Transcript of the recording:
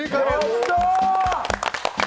やったー！